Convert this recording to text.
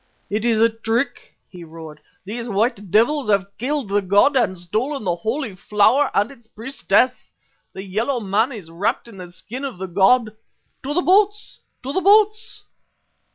"It is a trick!" he roared. "These white devils have killed the god and stolen the Holy Flower and its priestess. The yellow man is wrapped in the skin of the god. To the boats! To the boats!"